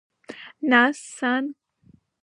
Нас, сан?!